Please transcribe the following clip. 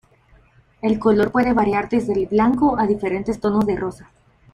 El color puede variar desde el blanco a diferentes tonos de rosa.